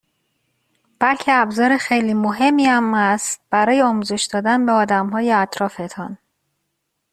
بلکه ابزار خیلی مهمی هم است برای آموزش دادن به آدمهای اطرافتان